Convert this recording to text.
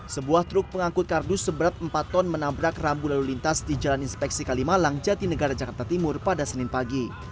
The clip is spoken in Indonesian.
sebuah truk pengangkut kardus seberat empat ton menabrak rambu lalu lintas di jalan inspeksi kalimalang jatinegara jakarta timur pada senin pagi